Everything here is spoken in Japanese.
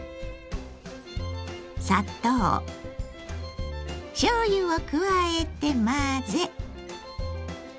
砂糖しょうゆを加えて混ぜ。